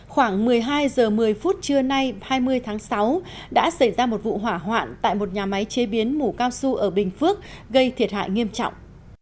khoảng một mươi hai h một mươi phút trưa nay hai mươi tháng sáu đã xảy ra một vụ hỏa hoạn tại một nhà máy chế biến mủ cao su ở bình phước gây thiệt hại nghiêm trọng